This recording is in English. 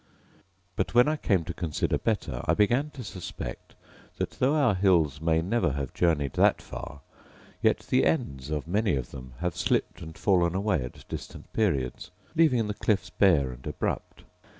But, when I came to consider better, I began to suspect that though our hills may never have journeyed that far, yet the ends of many of them have slipped and fallen away at distant periods, leaving the cliffs bare and abrupt.